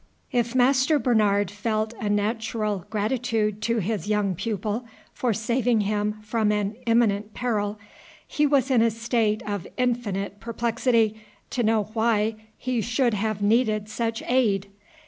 If Master Bernard felt a natural gratitude to his young pupil for saving him from an imminent peril, he was in a state of infinite perplexity to know why he should have needed such aid.